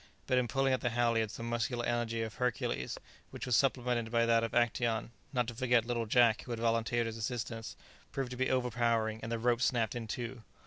But in pulling at the halyards the muscular energy of Hercules, which was supplemented by that of Actæon, not to forget little Jack, who had volunteered his assistance, proved to be overpowering, and the rope snapped in two.